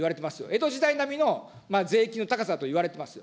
江戸時代並みの税金の高さと言われています。